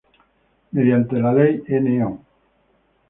Mediante la ley No.